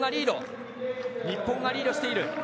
ただまだ日本がリードしている。